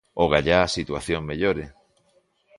Ogallá a situación mellore.